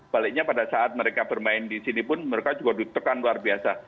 baliknya pada saat mereka bermain di sini pun mereka juga ditekan luar biasa